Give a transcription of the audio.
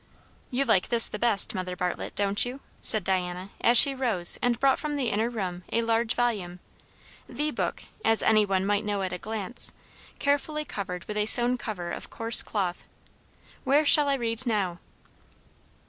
"You like this the best, Mother Bartlett, don't you?" said Diana, as she rose and brought from the inner room a large volume; the Book, as any one might know at a glance; carefully covered with a sewn cover of coarse cloth. "Where shall I read now?"